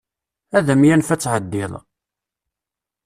Ad am-yanef ad tɛeddiḍ.